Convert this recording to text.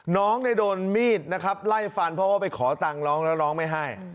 น้องเนี่ยโดนมีดนะครับไล่ฟันเพราะว่าไปขอตังค์ร้องแล้วร้องไม่ให้